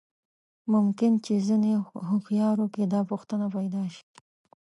ممکن په ځينې هوښيارو کې دا پوښتنه پيدا شي.